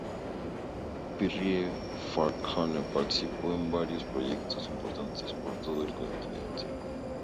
Pierre Falcone participó en varios proyectos importantes por todo el continente.